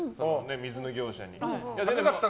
水の業者に。